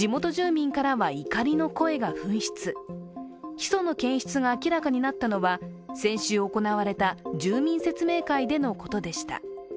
ヒ素の検出が明らかになったのは先週行われた住民説明会でのことでした。